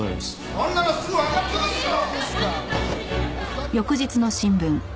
そんなのすぐわかる事でしょ！